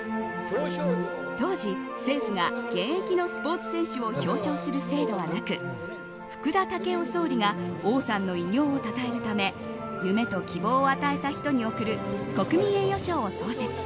当時、政府が現役のスポーツ選手を表彰する制度はなく福田赳夫総理が王さんの偉業をたたえるため夢と希望を与えた人に贈る国民栄誉賞を創設。